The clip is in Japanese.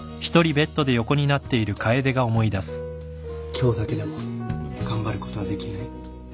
今日だけでも頑張ることはできない？